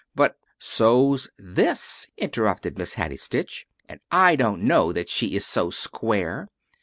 But " "So's this," interrupted Miss Hattie Stitch. "And I don't know that she is so square.